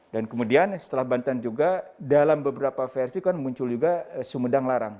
kemudian setelah banten juga dalam beberapa versi kan muncul juga sumedang larang